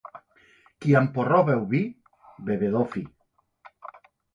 Qui amb porró beu el vi, bevedor fi.